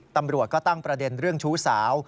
ตำรวจก็ตั้งประเด็นเรื่องชู้สาว